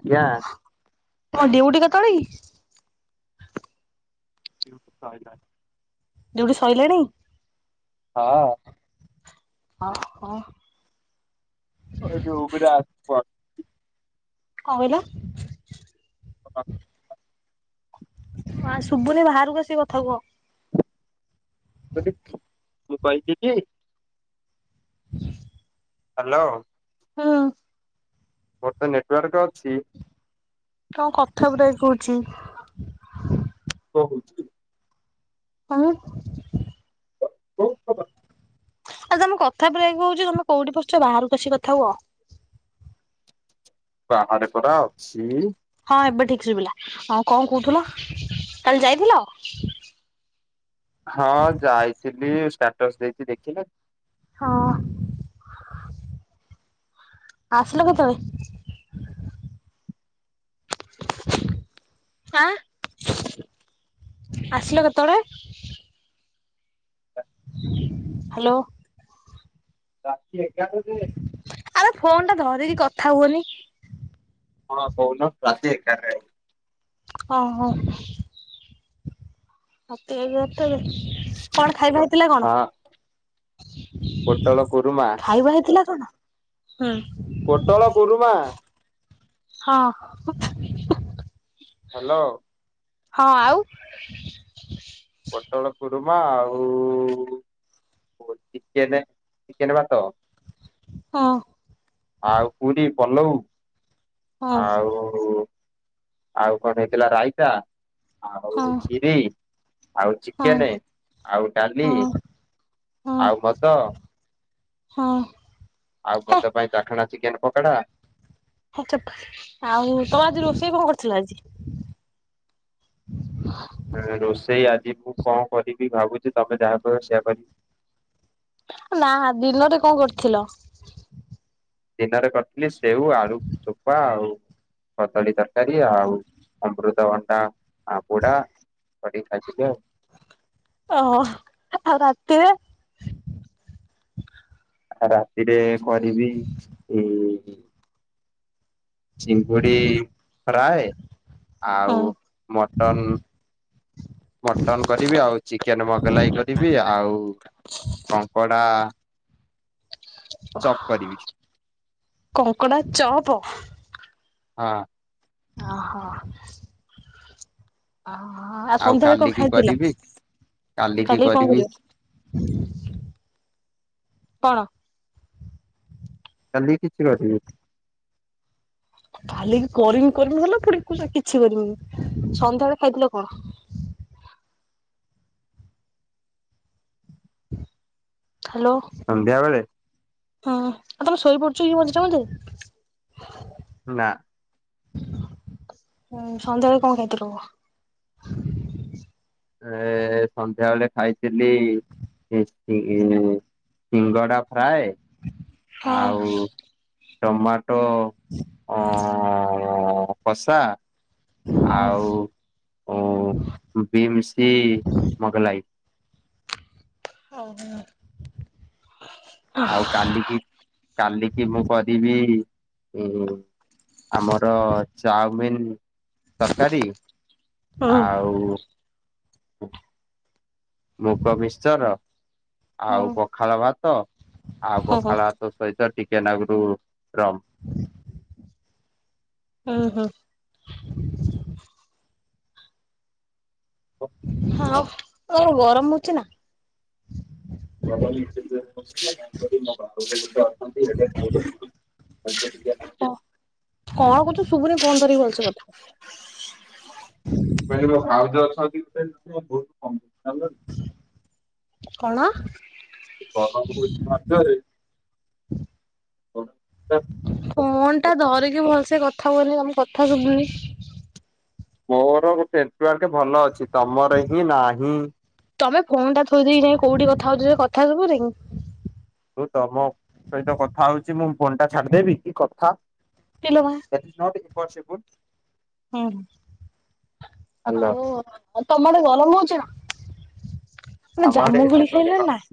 ଆଜ୍ଞା। ତମ ଡିଉଟି କେତେବେଳେ କି? ଡିଉଟି ସରିଲା। ଡିଉଟି ସାରିଲାଣି। ହଁ। ଓହୋ। [unintelligible] କଣ କହିଲ? ହ [unintelligible] ହଁ ଶୁଭୁନି ବାହାରକୁ ଆସି କଥା କୁହ? ମୁଁ କହିଲି ମୁଁ କହିଚିଯେ ହ୍ୟାଲୋ। ହଁ। ମୋର ତ ନେଟୱାର୍କ ଅଛି। ତମ କଥା ବ୍ରେକ୍ ହଉଛି। କଣ ହଉଚି। ମାନେ? କହିଲି ତମ କଥା ବ୍ରେକ୍ ହଉଚି ତମେ କୋଉଠି ପସିଛ ବାହାରକୁ ଆସିକି କଥା ହୁଅ? ବାହାରେ ପରା ଅଛି। ହଁ ଏବେ ଠିକ ଶୁଭିଲା ହଁ କଣ କହୁଥିଲ କାଲି ଯାଇଥିଲ? ହଁ ଯାଇଥିଲି ଷ୍ଟାଟସ ଦେଇଛି ଦେଖିନକି? ହଁ। ଆସିଲ କେତେବେଳେ? ଆଁ ଆସିଲ କେତେବେଳେ? ହ୍ୟାଲୋ। ରାତି ଏଗାରଟାରେ। ଆରେ ଫୋନ ଟା ଧରିକି କଥା ହୁଅନି। କଣ କହୁନ ରାତି ଏଗାରଟା ଆ ଓ ହୋ। ରାତି ଏଇ ଗୋଟେରେ କଣ ଖାଇବା ହେଇଥିଲା କଣ? ହଁ ପୋଟଳ କୁରୁମା ଖାଇବା ହେଇଥିଲା କଣ ହୁଁ। ପୋଟଳ କୁରୁମା। ହଁ। ହ୍ୟାଲୋ। ହଁ ଆଉ। ପୋଟଳ କୁରୁମା ଆଉ ଓ ଚିକେନ୍ ଚିକେନ ଭାତ ହଁ। ଆଉ ପୁରୀ ପଲଉ ହଁ ଆଉ ଆଉ କଣ ହେଇଥିଲା ରାଇତା। ଆଉ ହଁ ଖିରି ଆଉ ହଁ ଚିକେନ ଆଉ ଡାଲି। ହଁ ହଁ ଆଉ [inaudible] ହଁ। ଆଉ ହେ ମଦ ପାଇଁ ଚାଖଣା ଚିକେନ ପକଡା। ହେ ଚୁପ ଆଉ ତମର ଆଜି ରୋଷେଇ କଣ କରିଥିଲ ଆଜି? ରୋଷେଇ ଆଜି ମୁଁ କଣ କରିବି ଭାବୁଛି ତମେ ଯାହା କହିବ ସେଇଆ କରିବି। ନା ଦିନରେ କଣ କରିଥିଲ? ଦିନରେ କରିଥିଲି ସେଉ ଆଳୁ ଛୋପା ଆଉ କଦଳୀ ତରକାରୀ ଆଉ ଅମୃତଭଣ୍ଡା ପୋଡା ଚକଡ଼ିକି ଖାଇଥିଲି ଆଉ। ଏ ହଁ ଓ ରାତିରେ? ଆ ରାତିରେ କରିବି ଇ ଚିଙ୍ଗୁଡ଼ି ଫ୍ରାଏ ହଁ ଆଉ ମଟନ ମଟନ କରିବି ଆଉ ଚିକେନ ମଗଲାଇ କରିବି ଆଉ କଙ୍କଡା ଚକ୍ କରିବି। କଙ୍କଡା ଚପ। ହଁ। ଓହୋ। ଓହୋ ଆଉ ସନ୍ଧ୍ୟାବେଳେ କଣ କାଲିକି ଖାଇଥିଲ, କରିବି କାଲିକି ଖାଲିକି କଣ କରିବି କରିବ? କଣ? କାଲି କିଛି କରିବି କାଲିକି କରିମି କରିମି ହେଲ ପୁଣି କହୁଚ କିଛି କରିମିନି ସନ୍ଧ୍ୟାବେଳେ ଖାଇଥିଲ କଣ? ହ୍ୟାଲୋ। ସନ୍ଧ୍ୟାବେଳେ। ହଁ ଆ ତମେ ଶୋଇ ପଡୁଛ କି ମଝି ରେ ମଝିରେ? ନା। ହୁଁ ସନ୍ଧ୍ୟା ବେଳେ କଣ ଖାଇ ଥିଲୁ? ଏ ସନ୍ଧ୍ୟାବେଳେ ଖାଇଥିଲି ସିଙ୍ଗଡ଼ା ଫ୍ରାଏ ହଁ ଆଉ ଟମାଟୋ ଅ କଷା। ହଁ ଆଉ ବିମସି ମଗଲାଇ। ଓହୋ। ଆଉ କାଲିକି କାଲିକି ମୁଁ କି ରିବୀ ଆମର ଚାଉମିନ ତରକାରୀ ହୁଁ ଆଉ ମୁଗ ମିଶର ଆଉ ହୁଁ ପଖାଳ ଭାତ ଆଉ ହୁଁ ପଖାଳ ଭାତ ସହିତ ଟିକେନାଗରୁ ରମ। ହୁଁ ହୁଁ। ଆଉ ଗରମ ହଉଛି ନା? [unintelligible] [unintelligible] ନା? କଣ କହୁଛୁ ସୁବୁନି ଫୋନ ଧରିକି ଭଲସେ କଥା ମୁ କହିଲି ମୋ ଭାଉଜ ଅଛନ୍ତି [unintelligible] କଣ? ଗରମ ହଉଛି ଭାରି ଜୋରେ। ଫୋନ ଟା ଧରିକି ଭଲସେ କଥା ହୁଅନି ତମ କଥା ଶୁଭୁନି। ମୋର ନେଟ୍ ୱର୍କ ଭଲ ଅଛି ତମର ହିଁ ନାହିଁ। ତମେ ଫୋନ ଟା ଥୋଇ ଦେଇକି ଯାଇ କୋଉଠି କଥା ହଉଛ ଯେ କଥା ଶୁଭୁନି। ମୁ ତମ ସହିତ କଥା ହଉଛି ମୁଁ ଫୋନ ଟା ଛାଡିଦେବି କି କଥା। ଇଲୋ ମା। Is not impossible. ହୁଁ ଆଉ ଉ ତମ ଆଡେ ଗରମ ହଉଛି ନା ଆନେ ଆମ ଆଡେ ଜାମୁ ଏତେ ଗୋଳି ଖାଇଲଣି ନା?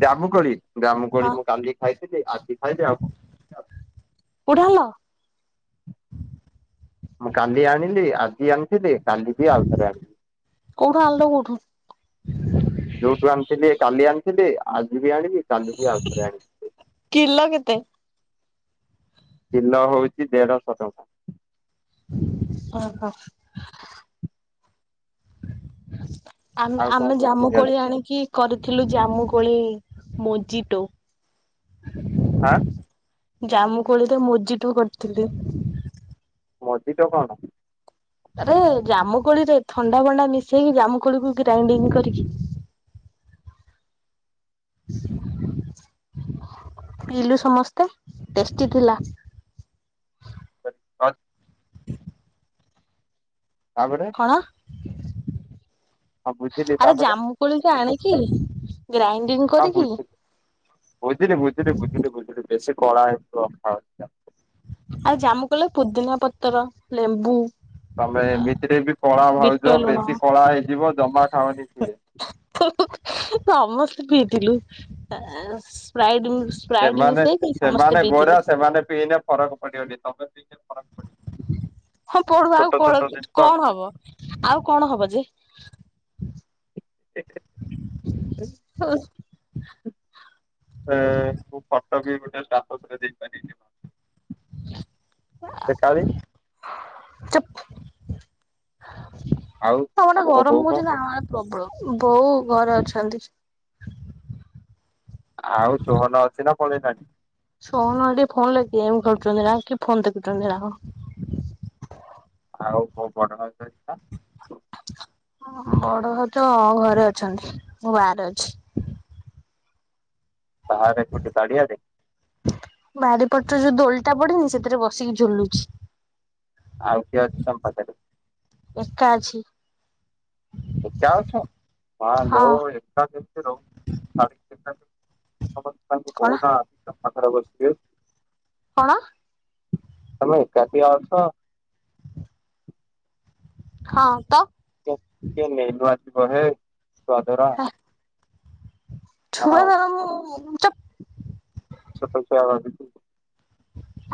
ଜାମୁ କୋଳି, ଜାମୁ କୋଳି ହଁ ମୁଁ କାଲି ଖାଇଥିଲି ଆଜି ଖାଇବି ଆଉ କୋଉଠୁ ଆଣିଲ? ମୁଁ କାଲି ଆଣିଲି ଆଜି ଆଣିଥିଲି କାଲି ବି ଆଉଥରେ କୋଉଠୁ ଆଣିଲ କୋଉଠୁ? ଆଣିବି। ଯୋଉଠୁ ଆଣିଥିଲି କାଲି ଆଣିଥିଲି ଆଜି ବି ଆଣିଲି କାଲି ବି ଆଉଥରେ ଆଣିବି। କିଲ କେତେ? କିଲ ହଉଛି ଦେଢଶହ ଟଙ୍କା ଓହୋ ଆମେ ଆଉ କଣ ଆମେ ଜାମୁ କୋଶ୍ଚିନ୍ ଅଛି କୋଳି ଆଣିକି କରିଥିଲୁ ଜାମୁ କୋଳି ମୋଜି ଟୁ। ହଁ ଜାମୁ କୋଳି ତ ମୋଜି ଟୁ କରିଥିଲି। ମଜିଟୁ କଣ? ଆରେ ଜାମୁକୋଳି ରେ ଥଣ୍ଡା ଭଣ୍ଡା ମିଶେଇକି ଜାମୁକୋଳିକୁ ଗ୍ରାଇଣ୍ଡିଙ୍ଗ କରିକି [inaudible] ପିଇଲୁ ସମସ୍ତେ ଟେଷ୍ଟି ଥିଲା। ହ ତାପରେ। ଅ ହଁ ବୁଝିଲି ଆରେ ତାପରେ ଜାମୁ। କୋଳୀ ଟା ଆଣିକି ଗ୍ରାଇଡିଙ୍ଗ ହଁ ବୁଝିଲି ବୁଝିଲି ବୁଝିଲି ବୁଝିଲି ବୁଝିଲି ବେଶୀ କଳା। ଆଉ ଜାମୁ କୋଳିରେ ପୁଦିନା ପତ୍ର ଲେମ୍ବୁ। ତମେ ଏମିତିରେ ବି କଳା ଭାଉଜ ବିଟ ଲୁଣ ବେଶୀ କଳା ହେଇଯିବ ଜମା ଖାଉନି ସିଏ। ସମସ୍ତେ ପିଇଥିଲୁ ସ୍ପ୍ରାଇଟ ମିସ ସେମାନେ ସେମାନେ ଗୋରା ସେମାନେ ପିଇନେ ଫରକ ପଡିବନି ତମ ପିଇନେ ଫରକ ପଡିବ। ହଁ ପଢୁ ଆଉ ଛୋଟ କ ଛୋଟ ଜିନିଷ କଣ ହବ ଆଉ କଣ ହବ ଯେ। ଏକ ମୁ ଫଟୋ ବି ଗୋଟେ ଷ୍ଟାଟସ୍ ରେ ଦେଇପାରିବି। ସେକାଳି ଚୁପ୍ ଆଉ ଗଟେ ମୋ ଗରମ ବୋଉ କଣ ହଉଛି କରୁ ସନ୍ ସବୁଳ ବୋଉ ଘରେ ଅଛନ୍ତି। ଆଉ ସୋହନ ଅଛି ନା ପଳେଇଲାଣି। ଶୋହନ ଟିକେ ଫୋନ ଗେମ୍ ଖେଳୁଛନ୍ତି ନା କି ଫୋନ୍ ଦେଖୁଛନ୍ତି ନା କଣ। ଆଉ କୋଉ ବଡ ହାରା [unintelligible] ବଡ ଭାଉଜ ଘରେ ଅଛନ୍ତି ମୁଁ ବାହାରେ ଅଛି। ବାହାରେ କୋଉଠି ବାରିଆଡ। ବାରିପଟରେ ଯୋଉ ଦୋଳିଟା ପଡିନି ସେଥିରେ ବସିକି ଝୁଲୁଛି। ଆଉ କିଏ ଅଛି ତମ ପାଖରେ? ଏକା ଅଛି। ଏକା ଅଛ ମା ହଁ। ଲୋ ଏକା କେମିତି ରହୁଛ। କାହାକୁ କଣ କହୁନା ତମ ପାଖରେ ବସିବେ। କଣ? ହେଲୋ ଏକାଟିଆ ଅଛ? ହଁ ତ। କିଏ ନେଲ ଆସିବହେ ଯଆଦାର [unintelligible] ଛୁଆ ଧର ମୁଁ ଚୋପ। ସକାଳୁ ସକାଳୁ ଆସିଚୁ।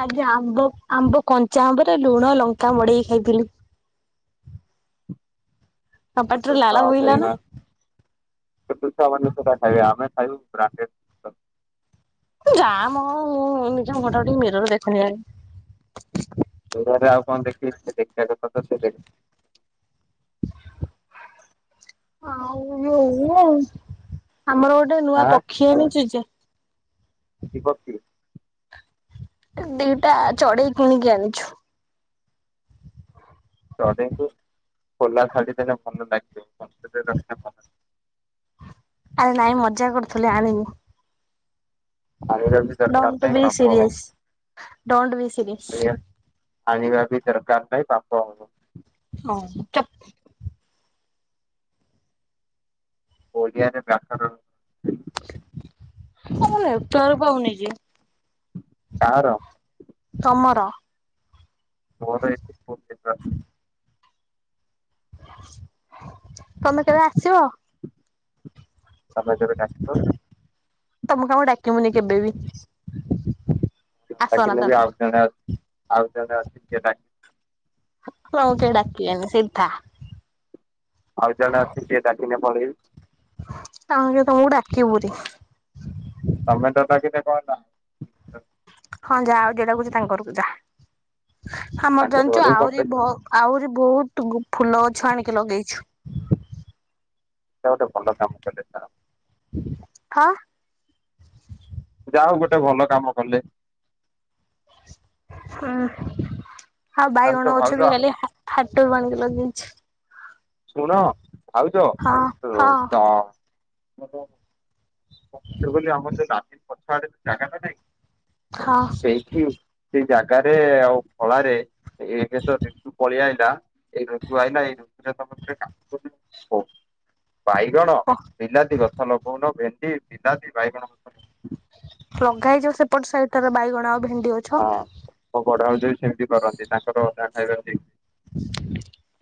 ଆଜ୍ଞା ଆମ୍ବ ଆମ୍ବ କଞ୍ଚା ଆମ୍ବରେ ଲୁଣ ଲଙ୍କା ମଡେଇକି ଖାଇଥିଲି। ମୋ ପାଟିରୁ ଛୋଟ ଲାଳ ଛୁଆ ବୋହିଲା ନା ସେଇନା ଛୋଟ ଛୁଆ ମାନେ ସେଇରା ଖାଇବେ ଆମେ ଖାଇବୁ ବ୍ରାନ୍ଦେଡ ଯା ମ ନିଜ ମୁହଁ ଟିକେ ମିରରେ ଦେଖନି ଜନି ଚୋରାରେ ଆଉ କଣ ଦେଖିବି ଦେଖିବା କଥା ତ ସେ ଆଉ ଯୋଉ ଆମର ଗୋଟେ ନୂଆ ଆଁ ପକ୍ଷୀ ଆଣିଚୁ ଯେ। କି ପକ୍ଷୀ? ଏ ଦିଟା ଚଢେଇ କିଣିକି ଆଣିଛୁ। ଚଢେଇଙ୍କୁ ଖୋଲା ଛାଡି ଦେଲେ ଭଲ ଲାଗିବ ପଞ୍ଜୁରିରେ ରଖିନେ କଁ ଆରେ ନାଇଁ ମଜାକ୍ କରୁଥିଲି ଆଣିନି। ଆଣିବା ବି ଦରକାର ଡୋଣ୍ଟ ଟୁ ନାହିଁ ବି ପାପ ସିରିଏସ ଡୋଣ୍ଟ ବି ସିରି ଆଣିଆ ଆଣିବା ଜେଦି ଦର୍କାର ନାହିଁ ପାପ ହବ। ହଁମ୍। ଓଡିଆରେ ବ୍ୟାକରଣ ହେ ତମ ନେଟୱର୍କ ପାଉନେଇଁ ଯେ? କାହାର? ତମର। ମୋର ଘର ଏଇ ତମେ କେବେ ଆସିବ? ତମେ ଯେବେ ଡାକିବ। ତମକୁ ଆମେ ଡାକିମୁନି କେବେ ବି। ନ ଆସନା ଡାକିନେ ଯୋଉ ତମେ। ଆଉ ଜଣେ ଅଛି, ଆଉ ଜଣେ ଅଛି ସିଏ ଡାକି ଆଉ କେହି ଡାକିବେନି ସେଇଟି ଥା। ଆଉ ଜଣେ ଅଛି ସିଏ ଡାକିନେ ପଳେଇବି। ଆମେ ଯେ ତମୁକୁ ଡାକିବୁରି। ତମେ ତ ଡ ଡାକିଲେ କଁ ହେଲା। ହଁ ଯାଆ ଆଉ କିଏ ଡ଼ାକୁଛି ତାଙ୍କ ଗରୁକୁ ଯା। ଆମର ତାଙ୍କ ଜାଣିଛୁ ଘରକୁ କଣ ଆହୁରି ପାଇଁ ଭକ ଆହୁରି ବୋହୁତ ଗୁ ଫୁଲ ଗଛ ଆଣିକି ଲଗେଇଛୁ। ସେଟା ଗୋଟେ ଭଲ କାମ କଲେ ଏଥର। ହାଁ। ଯାଆ ହୋଉ ଗୋଟେ ଭଲ କାମ କଲେ। ହୁଁ ଆଉ ବାଇଗଣ ଜାଣିଛ ଗଛ ବି ଭାଉଜ କାଲି ହା ହାଟରୁ ଆଣିକି ଲଗେଇଛି। ଶୁଣ ଭାଉଜ ହଁ ଉଁ ହଁ। ଟ ହୁଁ ଭିତରୁକୁ କଇଲି ଆମର ଯୋଉ ଲାଟିନ୍ ପଛ ଆଡେ ଯୋଉ ଜାଗା ଟା ନାହିଁ ହଁ ସେଇ ଥୁଁ ସେଇ ଜାଗାରେ ଆଉ ଖଳାରେ ଏବେ ତ ଜିତୁ ପଳିଆଇଲା। ଏଇ ଋତୁ ଆଇଲା ଏଇ ଋତୁ ରେ ତମେ ଗୋଟେ କାକୁଡି ଓ ବାଇଗଣ ହଁ। ବିଲାତି ଗଛ ଲଗୋଉନ ଭେଣ୍ଡି, ବିଲାତି ବାଇଗଣ ଗଛ ଲଗଉନ। ଲଗା ହେଇଚି ଯୋଉ ସେପଟ ସାଇଟ୍ ଟାରେ ବାଇଗଣ ଆଉ ଭେଣ୍ଡି ଅ ହଁ ମୋ ବଡ ଭାଉଜ ବି ସେମିତି କରନ୍ତି ତାଙ୍କର ଅଧା ଖାଇବାକୁ ଦେଇକି।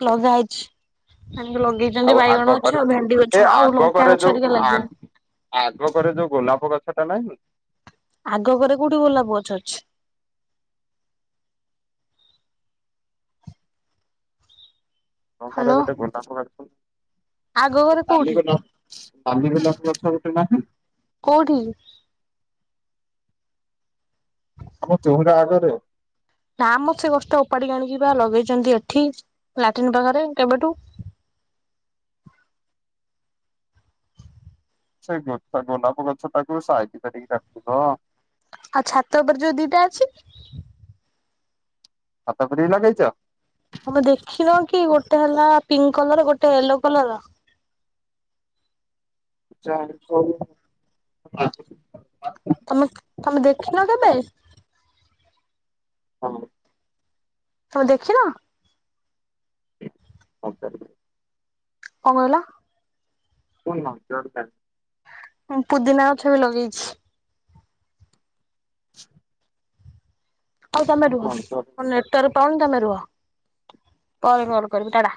ଲଗା ହେଇଛି ସେମିତି ଲଗେଇ ଆଉ ଯେମିତି ଆଗ ବାଇଗଣ ଅଛ, କରେ ଆଉ ଭେଣ୍ଡି ଏ ଗଛ, ଆଉ ଆଗ କରେ ଲଙ୍କା ଯୋଉ ଗଛ ଟିକେ ଆ ଲାଗିବ। ଆଗ ପରେ ଯୋଉ ଗୋଲାପ ଗଛ ଟା ନାହିଁ? ଆଗ ଘରେ କୋଉଠି ଗୋଲାପ ଗଛ ଅଛି? ତମ ଘରେ ହ୍ୟାଲୋ ଗୋଟେ ଗୋଲାପ ଗଛ ଆଗ ଏ ଘରେ ନାଲି କୋଉଠି ଗୋଲାପ। ନାଲି ଗୋଲାପ ଗଛ ଗୋଟେ ନାହିଁ? କୋଉଠି? ତମ ଚୋହୁଁରା ଆଗରେ। ନାମ ସେ ଗଛଟା ଓପାଡିକି ଆଣିକି ବା ଲଗେଇଛନ୍ତି ଏଠି ଲାଟିନ୍ ପାଖରେ କେବେଠୁ। ସେଇ ଗୋଟା ଗୋଲାପ ଗଛ ଟାକୁ ସାଇତି କରିକି ରଖିବ। ଆଉ ଛାତ ଉପରେ ଯୋଉ ଦିଟା ଅଛି ଛାତ ଉପରେ ବି ଲଗେଇଛ। ହମ ଦେଖିନ କି ଗୋଟେ ହେଲା ପିଙ୍କ କଲର ଗୋଟେ ୟେଲୋ କଲର [unintelligible] ତମେ ତମେ ଦେଖିନ କେବେ? ହଁ ତମେ ଦେଖିନ କଣ କହିଲ? [unintelligible] ଉଁ ପୁଦିନା ଗଛ ବି ଲଗେଇଛି। ଛ ଆଉ ତମେ ରୁହ ମୋ ନେଟୱର୍କ ପାଉନି ତମେ ରୁହ ପରେ କଲ୍ କରିବି ଟା ଟା।